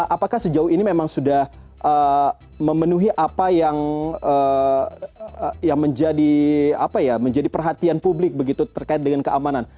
apakah sejauh ini memang sudah memenuhi apa yang menjadi perhatian publik begitu terkait dengan keamanan